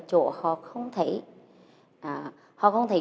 chỗ họ không thấy